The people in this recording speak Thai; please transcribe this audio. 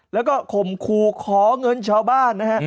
แล้วก็ข่มขู่ขอเงินชาวบ้านนะฮะ